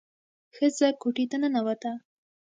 ښځه کوټې ته ننوته.